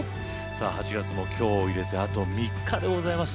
さあ８月も今日を入れてあと３日でございます。